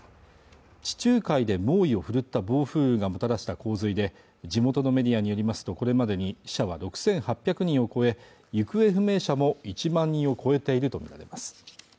地中海で猛威を振るった暴風雨がもたらした洪水で地元のメディアによりますとこれまでに死者は６８００人を超え行方不明者も１万人を超えていると見られます